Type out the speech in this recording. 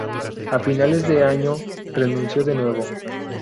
A finales de año renunció de nuevo.